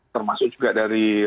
termasuk juga dari